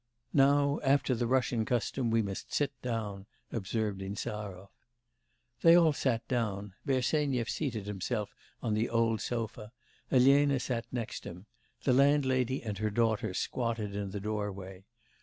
'Now, after the Russian custom, we must sit down,' observed Insarov. They all sat down; Bersenyev seated himself on the old sofa, Elena sat next him; the landlady and her daughter squatted in the doorway.